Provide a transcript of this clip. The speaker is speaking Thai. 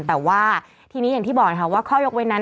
แต่ว่าทีนี้อย่างที่บอกค่ะว่าข้อยกเว้นนั้น